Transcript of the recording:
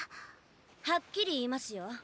はっきり言いますよ。